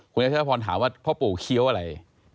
คุณรัชพรถามว่าพ่อปู่เคี้ยวอะไร